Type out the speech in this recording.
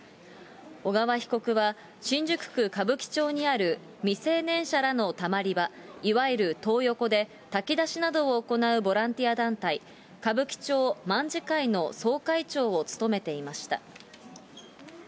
小川被告は、新宿区歌舞伎町にある、未成年者らのたまり場、いわゆるトー横で、炊き出しなどを行うボランティア団体、歌舞伎町卍会の総会長を務めていました。